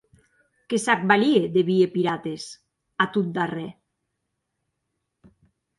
Que s'ac valie de vier pirates, a tot darrèr.